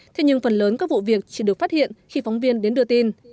thế nhưng phần lớn các vụ việc chỉ được phát hiện khi phóng viên đến đưa tin